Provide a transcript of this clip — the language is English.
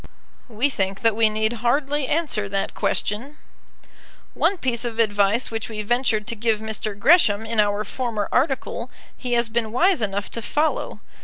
We think that we need hardly answer that question. One piece of advice which we ventured to give Mr. Gresham in our former article he has been wise enough to follow.